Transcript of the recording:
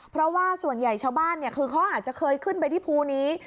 เพราะว่าส่วนใหญ่ชาวบ้านคือเขาอาจจะเคยขึ้นไปที่ภูนี้